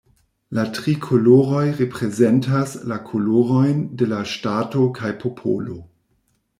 La tri koloroj reprezentas la kolorojn de la ŝtato kaj popolo.